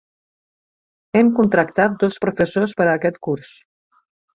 Hem contractat dos professors per a aquest curs.